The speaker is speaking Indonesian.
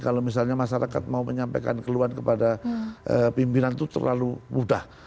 kalau misalnya masyarakat mau menyampaikan keluhan kepada pimpinan itu terlalu mudah